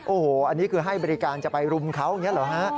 โอ้โหอันนี้คือให้บริการจะไปรุมเขาอย่างนี้เหรอฮะ